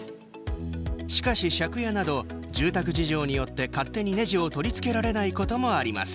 しかし、借家など住宅事情によって勝手にねじを取り付けられないこともあります。